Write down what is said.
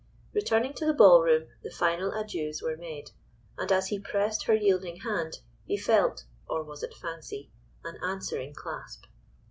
Returning to the ballroom, the final adieus were made, and as he pressed her yielding hand he felt (or was it fancy?) an answering clasp.